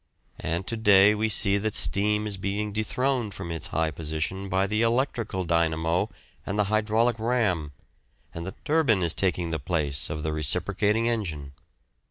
And to day we see that steam is being dethroned from its high position by the electrical dynamo and the hydraulic ram, and the turbine is taking the place of the reciprocating engine.